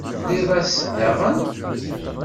Tesliḍ-as daɣen?